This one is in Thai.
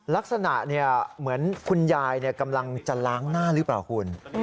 ลักษณะเหมือนคุณยายกำลังจะล้างหน้าหรือเปล่าคุณ